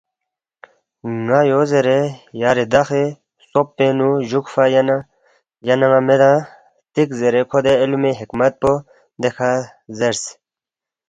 ن٘ا یو زیرے یا ریدخسی خسوب پِنگ نُو جُوکفا ینَن٘ا میدانگ ہلتیک زیرے کھو دے علمِ حکمت پو دیکھہ زیرس،